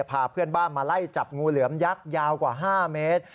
พาเพื่อนบ้านมาไล่จับงูเหลือมยักษ์ยาวกว่า๕เมตร